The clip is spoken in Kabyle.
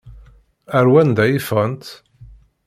Ar wanda i ffɣent?